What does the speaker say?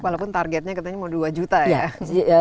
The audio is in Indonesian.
walaupun targetnya katanya mau dua juta ya